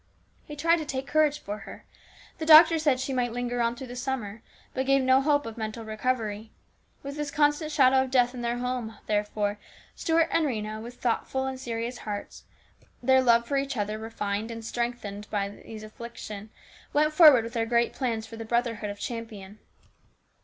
He tried to take courage for her. The doctor said she might linger on through the summer, but gave no hope of mental recovery. With this constant shadow of death in their home, therefore, Stuart and Rhena with thoughtful and serious hearts, their love for each other refined and strengthened by this affliction, went forward with their great plans for the brotherhood of Champion.